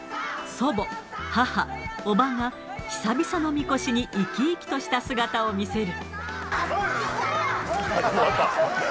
祖母、母、叔母が、久々のみこしに生き生きとした姿を見せる。